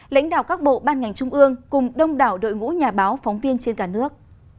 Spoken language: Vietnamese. lãnh đạo các bộ ban ngành trung ương cùng đông đảo đội ngũ nhà báo phóng viên trên cả nước